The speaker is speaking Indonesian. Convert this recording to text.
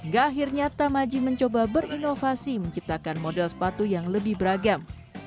gak akhirnya tamaji mencoba berinovasi menciptakan model sepatu yang lebih beragam